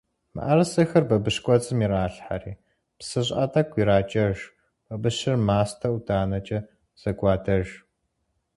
МыӀэрысэхэр бабыщ кӀуэцӀым иралъхьэри, псы щӀыӀэ тӀэкӀу иракӀэж, бабыщыр мастэ-ӀуданэкӀэ зэгуадэж.